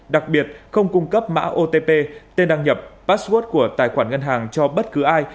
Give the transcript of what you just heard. đặc biệt không cung cấp mã otp tên đăng nhập password của tài khoản ngân hàng cho bất cứ ai